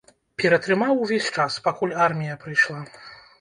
Ператрымаў увесь час, пакуль армія прайшла.